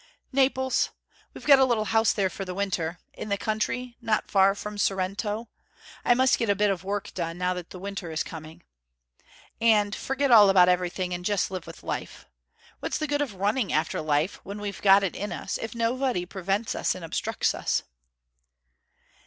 "Naples. We've got a little house there for the winter in the country, not far from Sorrento I must get a bit of work done, now the winter is coming. And forget all about everything and just live with life. What's the good of running after life, when we've got it in us, if nobody prevents us and obstructs us?"